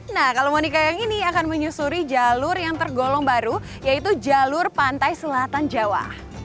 nah kalau monica yang ini akan menyusuri jalur yang tergolong baru yaitu jalur pantai selatan jawa